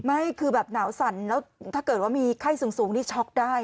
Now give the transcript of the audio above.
ไม่คือแบบหนาวสั่นแล้วถ้าเกิดว่ามีไข้สูงนี่ช็อกได้